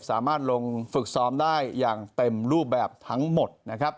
สามารถลงฝึกซ้อมได้อย่างเต็มรูปแบบทั้งหมดนะครับ